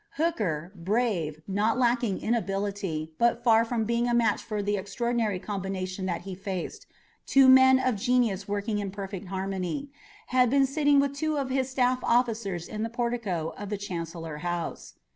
Hooker, brave, not lacking in ability, but far from being a match for the extraordinary combination that faced him, two men of genius working in perfect harmony, had been sitting with two of his staff officers on the portico of the Chancellor House.